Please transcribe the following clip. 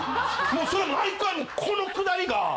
もうそれ毎回このくだりが。